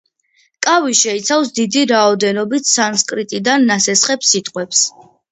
კავი შეიცავს დიდი რაოდენობით სანსკრიტიდან ნასესხებ სიტყვებს.